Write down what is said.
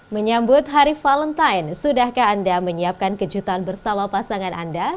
menyambut hari valentine sudahkah anda menyiapkan kejutan bersama pasangan anda